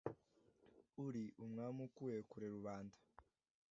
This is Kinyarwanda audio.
uri umwami ukuye kure rubanda.